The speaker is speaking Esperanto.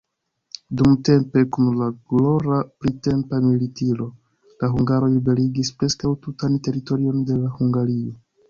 Dumtempe, kun la glora printempa militiro, la hungaroj liberigis preskaŭ tutan teritorion de Hungario.